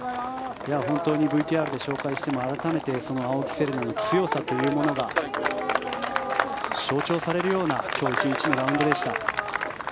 本当にＶＴＲで紹介しても改めて青木瀬令奈の強さというものが象徴されるような今日１日のラウンドでした。